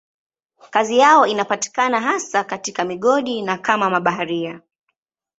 Kazi yao inapatikana hasa katika migodi na kama mabaharia.